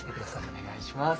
お願いします。